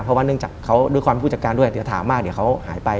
เพราะว่าเนื่องจากเขาด้วยความไม่พูดจัดการด้วยแต่ถามมากเดี๋ยวเขาหายไป